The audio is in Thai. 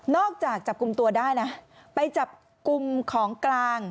จากจับกลุ่มตัวได้นะไปจับกลุ่มของกลาง